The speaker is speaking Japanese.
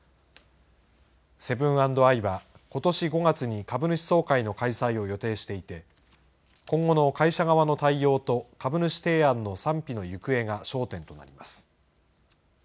セブン＆アイは、ことし５月に株主総会の開催を予定していて、今後の会社側の対応と、株主提案の賛否の行方が焦点となります。